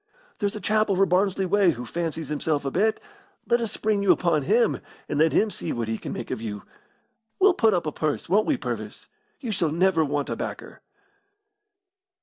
"There's a chap over Barnsley way who fancies himself a bit. Let us spring you on him, and let him see what he can make of you. We'll put up a purse won't we, Purvis? You shall never want a backer."